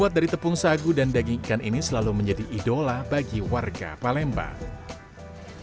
dari tepung sagu dan daging ikan ini selalu menjadi idola bagi warga palembang